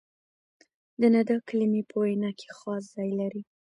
د ندا کلیمې په وینا کښي خاص ځای لري.